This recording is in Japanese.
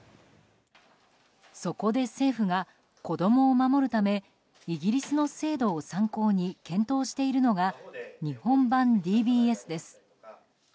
そこで政府が、子供を守るためイギリスの制度を参考に検討しているのが日本版ＤＢＳです。